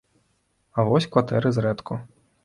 А вось кватэры зрэдку.